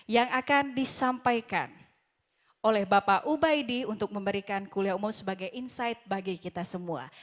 yang akan disampaikan oleh bapak ubaidi untuk memberikan kuliah umum sebagai insight bagi kita semua